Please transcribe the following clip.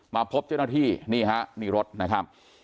มาพบเจ้าหน้าที่นี่ฮะนี่รถนะครับ